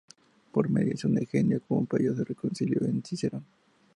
Por mediación de Gneo Pompeyo se reconcilió con Cicerón.